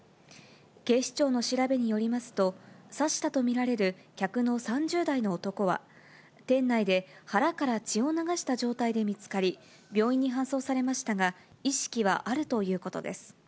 警視庁の調べによりますと、刺したと見られる客の３０代の男は、店内で腹から血を流した状態で見つかり、病院に搬送されましたが、意識はあるということです。